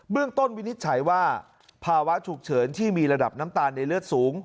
เรื่องต้นวินิจฉัยว่าภาวะฉุกเฉินที่มีระดับน้ำตาลในเลือดสูง